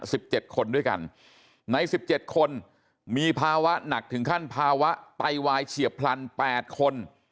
สิบเจ็ดคนด้วยกันในสิบเจ็ดคนมีภาวะหนักถึงขั้นภาวะไตวายเฉียบพลันแปดคน